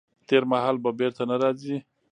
تېر مهال به بیرته نه راځي.